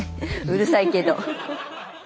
うるさいけど。